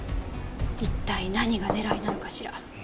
一体何が狙いなのかしら。